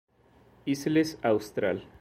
Isles Austral.